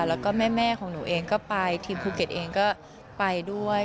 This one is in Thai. แล้วก็แม่ของหนูเองก็ไปทีมภูเก็ตเองก็ไปด้วย